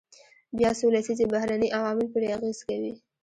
بیا څو لسیزې بهرني عوامل پرې اغیز کوي.